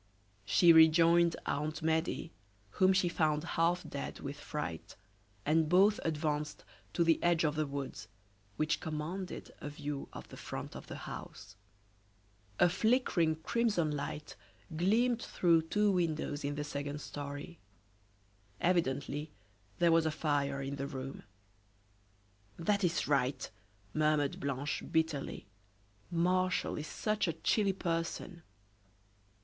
She rejoined Aunt Medea, whom she found half dead with fright, and both advanced to the edge of the woods, which commanded a view of the front of the house. A flickering, crimson light gleamed through two windows in the second story. Evidently there was a fire in the room. "That is right," murmured Blanche, bitterly; "Martial is such a chilly person!"